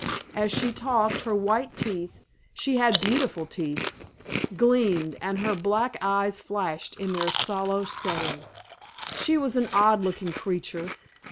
As she talked her white teeth (she had beautiful teeth) gleamed, and her black eyes flashed in their sallow setting. She was an odd looking creature.